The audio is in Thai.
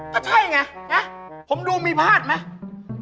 แต่ใช่ไงฮะผมดูมีพาดไหม